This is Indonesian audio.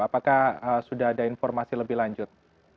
apakah sudah ada informasi lebih lanjut